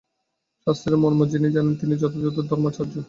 শাস্ত্রের মর্ম যিনি জানেন, তিনিই যথার্থ ধর্মাচার্য।